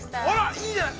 ◆いいじゃない！